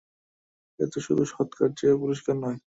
এ তো শুধু সৎকার্যের পুরস্কার নয়।